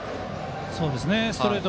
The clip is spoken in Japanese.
ストレート